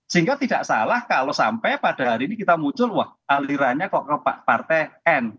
sehingga tidak salah kalau sampai pada hari ini kita muncul wah alirannya kok ke partai n